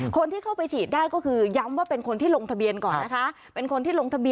คนที่เข้าไปฉีดได้ก็คือย้ำว่าเป็นคนที่ลงทะเบียนก่อนนะคะ